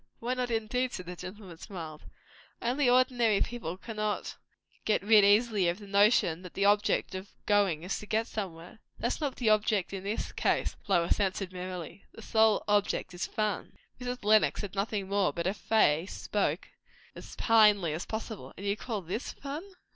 "Why not, indeed!" said the gentleman, smiling. "Only, ordinary people cannot get rid easily of the notion that the object of going is to get somewhere." "That's not the object in this case," Lois answered merrily. "The one sole object is fun." Mrs. Lenox said nothing more, but her face spoke as plainly as possible, And you call this fun!